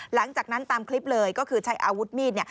หลังจากนั้นตามคลิปเลยก็คือใช้อาวุธมีด